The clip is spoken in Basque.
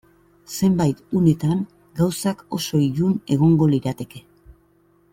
Zenbait unetan gauzak oso ilun egongo lirateke.